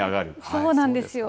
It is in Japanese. そうなんですよ。